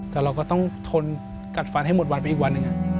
แต่เราก็ต้องทนกัดฟันให้หมดวันไปอีกวันหนึ่ง